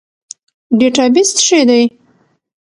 ډیټابیس څه شی دی؟